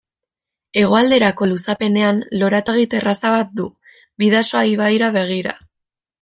Hegoalderako luzapenean lorategi-terraza bat du, Bidasoa ibaira begira.